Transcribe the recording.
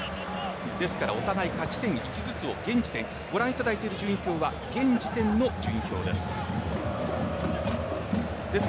ですからお互い勝ち点１ずつを現時点ご覧いただいている順位表は現時点の順位表です。